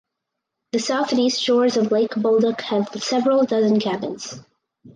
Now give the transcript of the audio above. The south and east shores of Lake Bolduc have several dozen cabins.